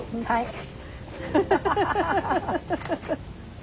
はい。